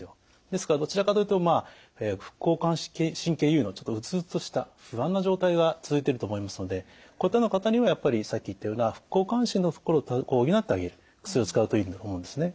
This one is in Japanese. ですからどちらかというとまあ副交感神経優位のちょっとうつうつとした不安な状態が続いてると思いますのでこういったような方にはやっぱりさっき言ったような副交感神経のところを補ってあげる薬を使うといいと思うんですね。